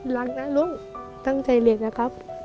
รักนะลุงตั้งใจเรียนนะครับ